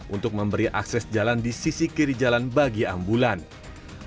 untuk memberi akses jalan di sisi kiri jalan bagi ambulans